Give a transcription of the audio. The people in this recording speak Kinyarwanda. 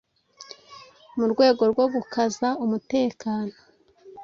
mu rwego rwo gukaza umutekano